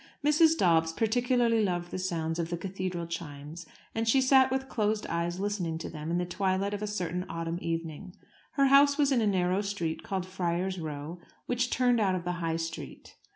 Mrs. Dobbs particularly loved the sounds of the cathedral chimes; and she sat with closed eyes listening to them in the twilight of a certain autumn evening. Her house was in a narrow street, called Friar's Row, which turned out of the High Street.